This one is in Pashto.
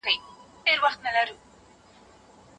کله باید د خپل درد په اړه له نورو سره وغږیږو؟